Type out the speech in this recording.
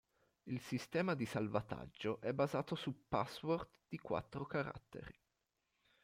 Il sistema di salvataggio è basato su password di quattro caratteri.